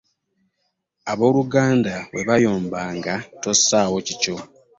Ab'oluganda bwebayombanga tossawo kikyo .